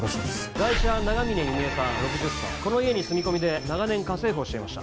「ガイシャは永峰弓江さん６０歳」「この家に住み込みで長年家政婦をしていました」